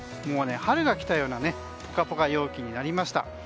もう、春が来たようなポカポカ陽気になりました。